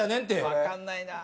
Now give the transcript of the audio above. わかんないな。